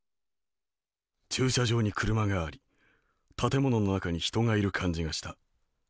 「駐車場に車があり建物の中に人がいる感じがした。